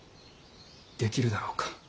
できるだろうか。